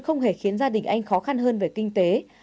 không hề khiến gia đình anh khó khăn hơn về kinh tế